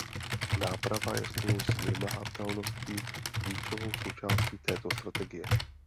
Náprava je spolu s vymahatelností klíčovou součástí této strategie.